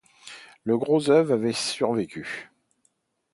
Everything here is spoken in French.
Le gros œuvre avait survécu.